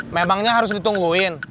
memangnya harus ditungguin